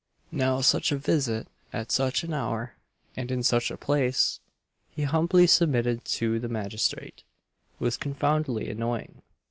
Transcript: Now, such a visit, at such an hour, and in such a place, he humbly submitted to the magistrate, was confoundedly annoying.